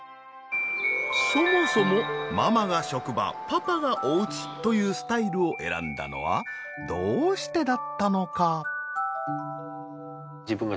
そもそもママが職場パパがお家というスタイルを選んだのはどうしてだったのか？